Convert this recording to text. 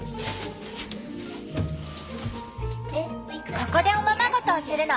ここでおままごとをするの。